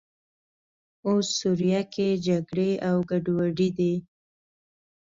اوس سوریه کې جګړې او ګډوډۍ دي.